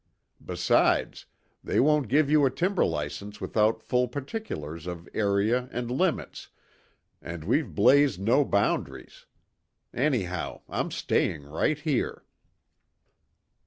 Besides, they won't give you a timber licence without full particulars of area and limits, and we've blazed no boundaries. Anyhow, I'm staying right here."